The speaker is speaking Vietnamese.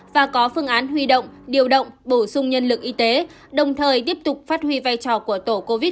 và có phương án huy động điều động bổ sung nhân lực y tế đồng thời tiếp tục phát huy vai trò của tổ covid một mươi